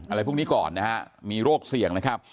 อะไรพวกนี้ก่อนนะฮะมีโรคเสี่ยงนะครับ